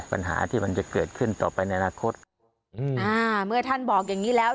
ปัญหาที่มันจะเกิดขึ้นต่อไปในอนาคตอืมอ่าเมื่อท่านบอกอย่างงี้แล้ว